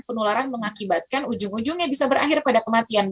penularan mengakibatkan ujung ujungnya bisa berakhir pada kematian